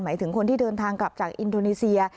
หมายถึงคนที่เดินทางกลับจากอินโดนีเซีย